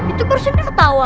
itu kursinya ketawa